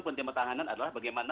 kementerian pertahanan adalah bagaimana